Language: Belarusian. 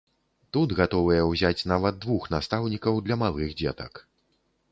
Тут гатовыя ўзяць нават двух настаўнікаў для малых дзетак.